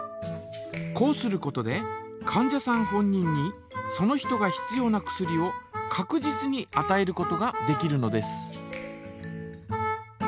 こうすることでかん者さん本人にその人が必要な薬をかく実にあたえることができるのです。